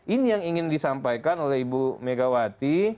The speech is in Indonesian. ini yang ingin disampaikan oleh ibu megawati